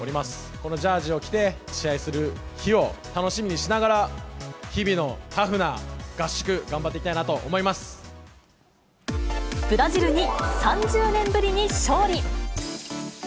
このジャージを着て、試合する日を楽しみにしながら、日々のタフな合宿、ブラジルに３０年ぶりに勝利。